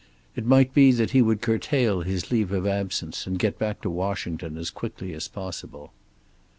It might be that he would curtail his leave of absence and get back to Washington as quickly as possible.